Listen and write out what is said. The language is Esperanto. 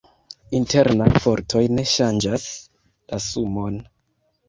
Internaj fortoj ne ŝanĝas la sumon.